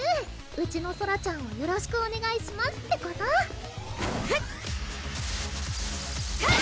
うちのソラちゃんをよろしくおねがいしますってことタァッ！